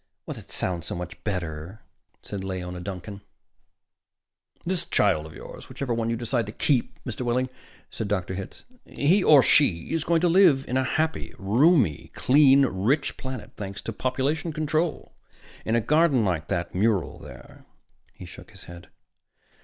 "That sounds so much better," said Leora Duncan. "This child of yours whichever one you decide to keep, Mr. Wehling," said Dr. Hitz. "He or she is going to live on a happy, roomy, clean, rich planet, thanks to population control. In a garden like that mural there." He shook his head.